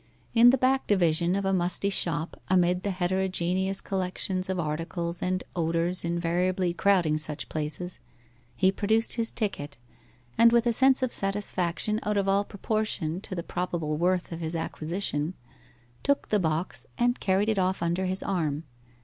In the back division of a musty shop, amid the heterogeneous collection of articles and odours invariably crowding such places, he produced his ticket, and with a sense of satisfaction out of all proportion to the probable worth of his acquisition, took the box and carried it off under his arm.